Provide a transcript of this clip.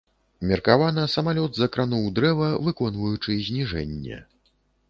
Меркавана, самалёт закрануў дрэва, выконваючы зніжэнне.